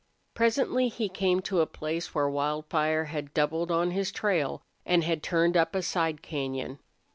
Presently he came to a place where Wildfire had doubled on his trail and had turned up a side cañon.